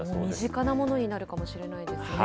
身近なものになるかもしれな